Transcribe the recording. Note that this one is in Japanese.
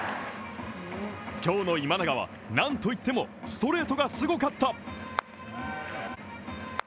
今日の今永はなんといっても、ストレートがすごかった。